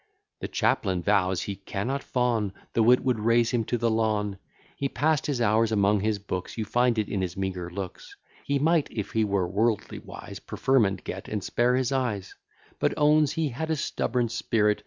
The Chaplain vows, he cannot fawn, Though it would raise him to the lawn: He pass'd his hours among his books; You find it in his meagre looks: He might, if he were worldly wise, Preferment get, and spare his eyes; But owns he had a stubborn spirit.